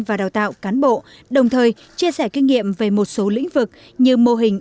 và đào tạo cán bộ đồng thời chia sẻ kinh nghiệm về một số lĩnh vực như mô hình